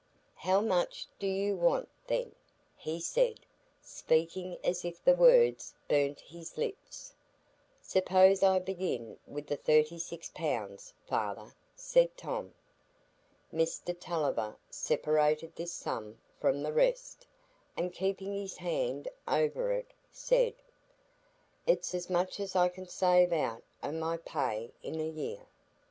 "How much do you want, then?" he said, speaking as if the words burnt his lips. "Suppose I begin with the thirty six pounds, father?" said Tom. Mr Tulliver separated this sum from the rest, and keeping his hand over it, said: "It's as much as I can save out o' my pay in a year."